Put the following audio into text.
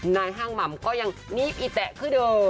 ห้างหม่ำก็ยังนีบอีแตะคือเดิม